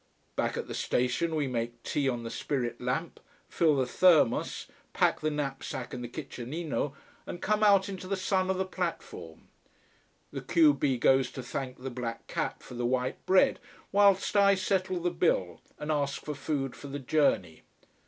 Back at the station we make tea on the spirit lamp, fill the thermos, pack the knapsack and the kitchenino, and come out into the sun of the platform. The q b goes to thank the black cap for the white bread, whilst I settle the bill and ask for food for the journey.